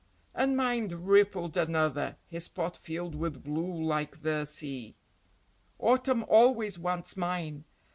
"And mine," rippled another, his pot filled with blue like the sea. "Autumn always wants mine!